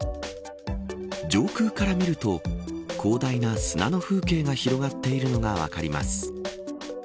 上空から見ると広大な砂の風景が広がっているのが分かります。